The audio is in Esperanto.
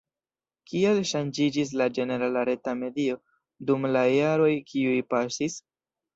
Kiel ŝanĝiĝis la ĝenerala reta medio dum la jaroj kiuj pasis?